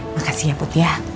makasih ya put ya